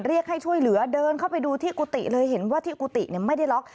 เรียกให้ช่วยเหลือเดินเข้าไปดูที่กุฏิเลยเห็นว่าที่กุฏิไม่ได้ล็อก